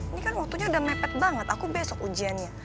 ini kan waktunya udah mepet banget aku besok ujiannya